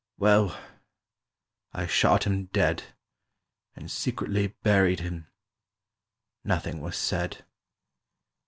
Well, I shot him dead, And secretly buried him. Nothing was said.